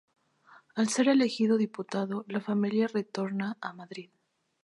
Al ser elegido diputado, la familia retorna a Madrid.